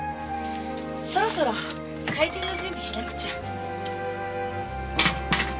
そろそろ開店の準備しなくちゃ。